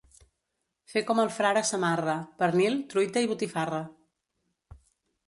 Fer com el frare Samarra: pernil, truita i botifarra.